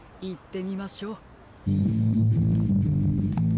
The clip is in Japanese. いってみましょう。